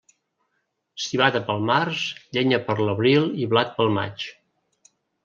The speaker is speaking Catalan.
Civada pel març, llenya per l'abril i blat pel maig.